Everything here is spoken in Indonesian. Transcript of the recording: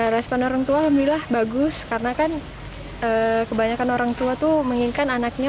respon orang tua alhamdulillah bagus karena kan kebanyakan orang tua tuh menginginkan anaknya